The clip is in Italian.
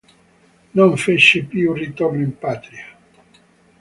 Non fece più ritorno in patria.